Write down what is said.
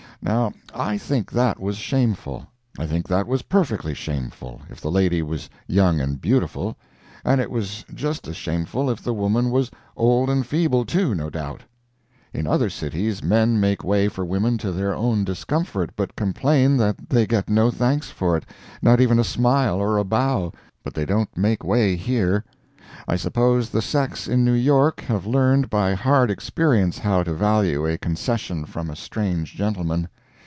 Now, I think that was shameful. I think that was perfectly shameful, if the lady was young and beautiful. And it was just as shameful if the woman was old and feeble, too, no doubt. In other cities men make way for women to their own discomfort, but complain that they get no thanks for it—not even a smile or a bow—but they don't make way here. I suppose the sex in New York have learned by hard experience how to value a concession from a strange gentleman.